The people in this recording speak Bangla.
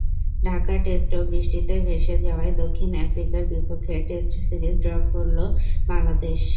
ঢাকা টেস্টও বৃষ্টিতে ভেসে যাওয়ায় দক্ষিণ আফ্রিকার বিপক্ষে টেস্ট সিরিজ ড্র করল বাংলাদেশ।